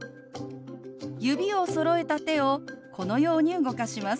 指をそろえた手をこのように動かします。